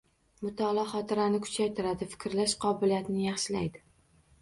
Mutolaa xotirani kuchaytiradi, fikrlash qobiliyatini yaxshilaydi.